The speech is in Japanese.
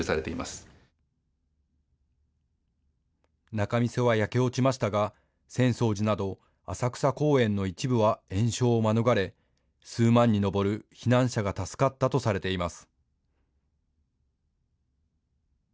仲見世は焼け落ちましたが浅草寺など浅草公園の一部は延焼を免れ、数万に上る避難者が助かったとされています。